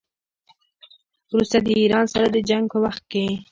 وروسته د ایران سره د جنګ په وخت کې.